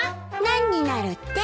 何になるって？